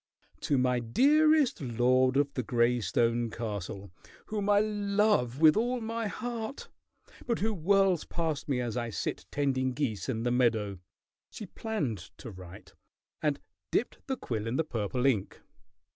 "To my dearest lord of the gray stone castle, whom I love with all my heart, but who whirls past me as I sit tending geese in the meadow," she planned to write, and dipped the quill in the purple ink.